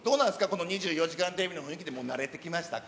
この２４時間テレビの雰囲気、慣れてきましたか。